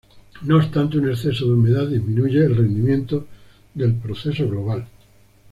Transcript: No obstante un exceso de humedad disminuye el rendimiento del proceso global.